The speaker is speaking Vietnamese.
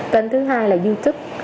kênh thứ hai là youtube